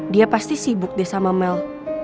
dia pasti sibuk deh sama mel